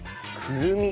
くるみ！